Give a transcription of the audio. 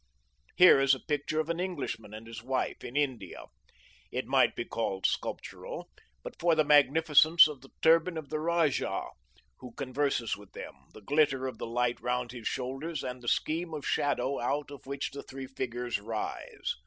Here is a picture of an Englishman and his wife, in India. It might be called sculptural, but for the magnificence of the turban of the rajah who converses with them, the glitter of the light round his shoulders, and the scheme of shadow out of which the three figures rise.